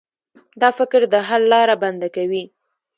دا فکر د حل لاره بنده کوي.